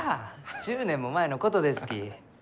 １０年も前のことですき。